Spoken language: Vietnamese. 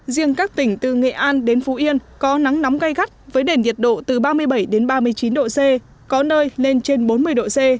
riêng các tỉnh từ nghệ an đến phú yên có nắng nóng gai gắt với đền nhiệt độ từ ba mươi bảy đến ba mươi chín độ c có nơi lên trên bốn mươi độ c